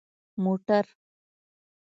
🚘 موټر